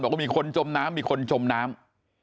บอกว่ามีคนจมน้ำมีคนจมน้ำ